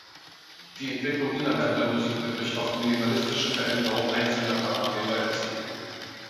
Die Entwicklung innerhalb der Musik wird durch oft minimalistische Veränderung einzelner Parameter erzielt.